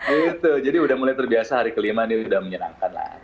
itu jadi udah mulai terbiasa hari kelima nih udah menyenangkan lah